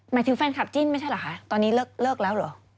ถึงแฟนคลับจิ้นไม่ใช่เหรอคะตอนนี้เลิกแล้วเหรอ